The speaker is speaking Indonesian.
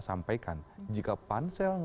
sampaikan jika pansel